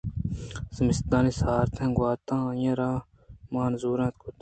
زمستانی سارتیں گوٛاتاں آئی ءَ را مان زُوراں کُت